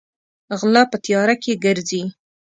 غلۀ پۀ تيارۀ کښې ګرځي ـ